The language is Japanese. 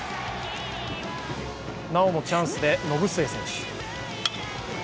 なおもチャンスで延末選手。